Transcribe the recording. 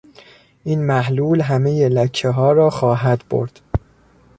این محلول همهی لکهها را خواهد برد.